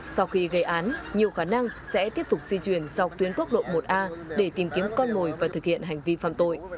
sau khi gây án nhiều khả năng sẽ tiếp tục di chuyển sau tuyến quốc lộ một a để tìm kiếm con mồi và thực hiện hành vi phạm tội